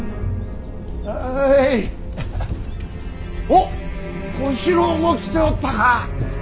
おっ小四郎も来ておったか。